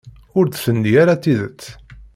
Ur d-tenni ara tidet.